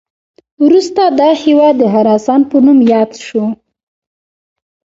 وروسته دا هیواد د خراسان په نوم یاد شو